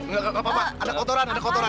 nggak apa apa ada kotoran ada kotoran